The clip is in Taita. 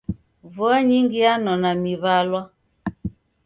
Vua nyingi yanona miw'alwa.